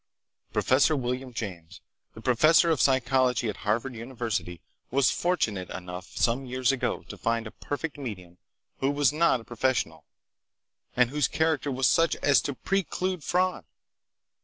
Professor William James, the professor of psychology at Harvard University, was fortunate enough some years ago to find a perfect medium who was not a professional and whose character was such as to preclude fraud.